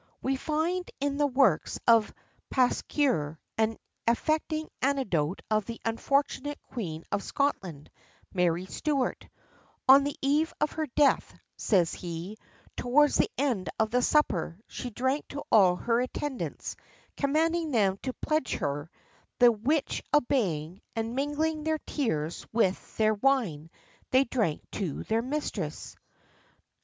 "[XXXIV 26] We find in the works of Pasquier an affecting anecdote of the unfortunate Queen of Scotland, Mary Stuart: "On the eve of her death," says he, "towards the end of the supper, she drank to all her attendants, commanding them to pledge her; the which obeying, and mingling their tears with their wine, they drank to their mistress."